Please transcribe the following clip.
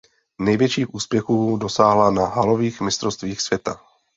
Největších úspěchů dosáhla na halových mistrovstvích světa.